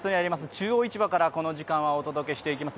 中央市場からこの時間はお届けしていきます。